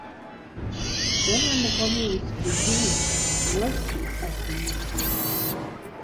Дэнэ мыгъуэми усхьыжыну, уэ си ӏэдииху?